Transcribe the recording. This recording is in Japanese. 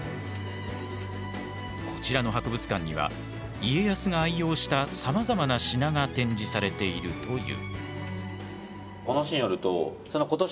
こちらの博物館には家康が愛用したさまざまな品が展示されているという。